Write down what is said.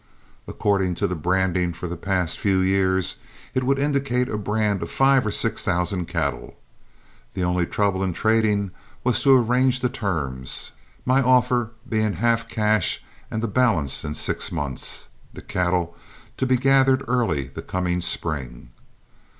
According to the branding for the past few years, it would indicate a brand of five or six thousand cattle. The only trouble in trading was to arrange the terms, my offer being half cash and the balance in six months, the cattle to be gathered early the coming spring.